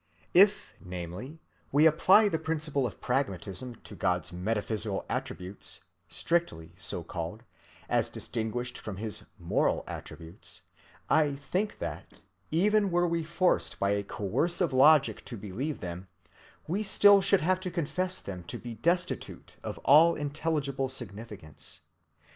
If, namely, we apply the principle of pragmatism to God's metaphysical attributes, strictly so called, as distinguished from his moral attributes, I think that, even were we forced by a coercive logic to believe them, we still should have to confess them to be destitute of all intelligible significance.